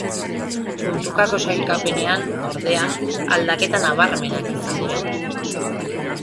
Puntukako sailkapenean, ordea, aldaketa nabarmenak izan dira.